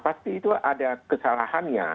pasti itu ada kesalahannya